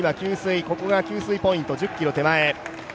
ここが給水ポイント、１０ｋｍ手前。